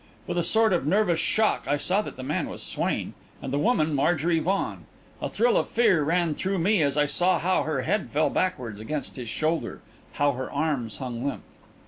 With a sort of nervous shock, I saw that the man was Swain, and the woman Marjorie Vaughan. A thrill of fear ran through me as I saw how her head fell backwards against his shoulder, how her arms hung limp....